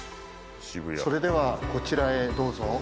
それではこちらへどうぞ。